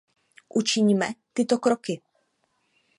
Učiňme tyto kroky!